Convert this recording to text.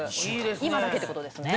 今だけってことですね。